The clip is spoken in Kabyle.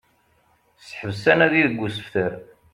Seḥbes anadi deg usebter